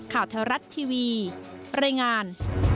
ข่าวแท้รัฐทีวีรายงาน